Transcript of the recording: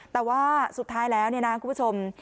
แต่สุดท้ายแล้วนะนะครับคุณผู้ชม